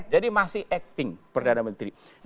jadi masih acting perdana menteri terlalu lama